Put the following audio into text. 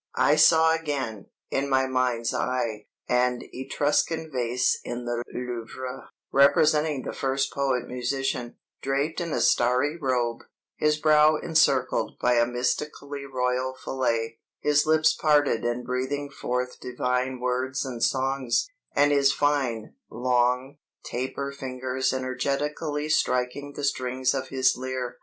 I saw again, in my mind's eye, an Etruscan vase in the Louvre, representing the first poet musician, draped in a starry robe, his brow encircled by a mystically royal fillet, his lips parted and breathing forth divine words and songs, and his fine, long, taper fingers energetically striking the strings of his lyre.